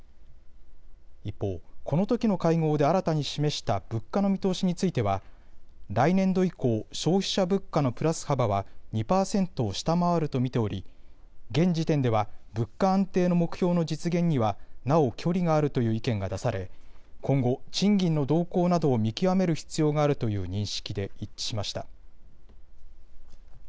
一方、このときの会合で新たに示した物価の見通しについては来年度以降、消費者物価のプラス幅は２％を下回ると見ており現時点では物価安定の目標の実現には、なお距離があるという意見が出され、今後、賃金の動向などを見極める必要があるという認識で一致しました。